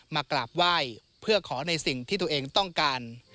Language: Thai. มากราบไหว้เพื่อขอในสิ่งที่ตัวเองต้องการ